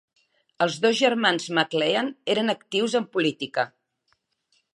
Els dos germans McLean eren actius en política.